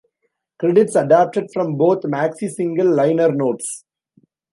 Credits adapted from both maxi-single liner notes.